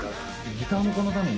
ギターもこのために。